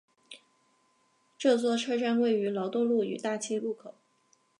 这座车站位于劳动路与大庆路口。